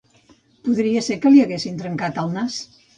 Podria ser que li haguessin trencat el nas.